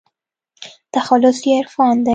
تخلص يې عرفان دى.